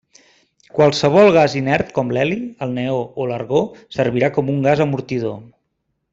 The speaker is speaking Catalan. Qualsevol gas inert com l'heli, el neó, o l'argó servirà com un gas amortidor.